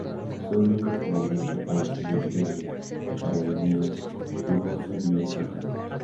Su único comandante fue el Teniente de carabineros Tiburcio Díaz Carrasco.